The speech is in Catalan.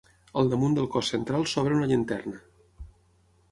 Al damunt del cos central s'obre una llanterna.